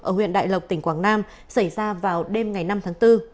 ở huyện đại lộc tỉnh quảng nam xảy ra vào đêm ngày năm tháng bốn